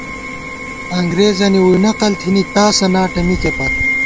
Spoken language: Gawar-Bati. انگرېزَنی ووئی نقل تھنی ، تاسہ ناٹہ مِکے پت